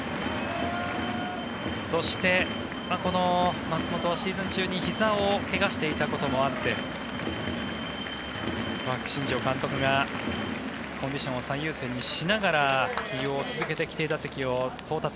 そして、この松本はシーズン中にひざを怪我していたこともあって新庄監督がコンディションを最優先にしながら起用を続けて規定打席に到達。